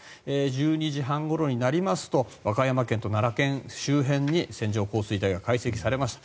１２時半ごろになりますと和歌山県と奈良県周辺に線状降水帯が解析されました。